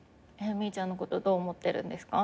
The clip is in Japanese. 「みぃちゃんのことどう思ってるんですか？」